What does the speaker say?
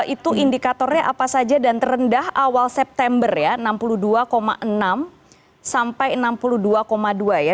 itu indikatornya apa saja dan terendah awal september ya enam puluh dua enam sampai enam puluh dua dua ya